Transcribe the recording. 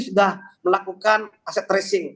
sudah melakukan aset tracing